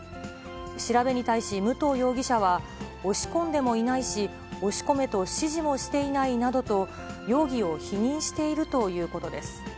調べに対し、武藤容疑者は、押し込んでもいないし、押し込めと指示もしていないなどと、容疑を否認しているということです。